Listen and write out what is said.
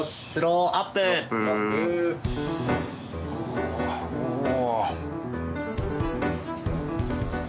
おおおお。